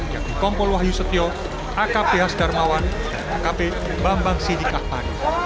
yaitu kompol wahyu setio akp hasdarmawan dan akp bambang sidikah pani